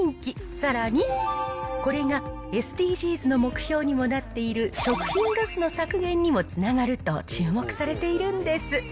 さらに、これがＳＤＧｓの目標にもなっている食品ロスの削減にもつながると、注目されているんです。